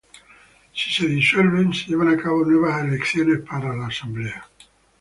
Si se disuelven, se llevan a cabo nuevas elecciones para la Asamblea.